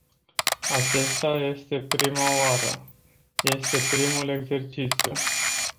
Aceasta este prima oară, este primul exercițiu.